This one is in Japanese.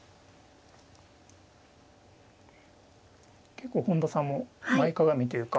結構本田さんも前かがみというか。